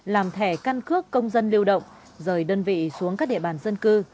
làm thẻ căn cước công dân lưu động rời đơn vị xuống các địa bàn dân cư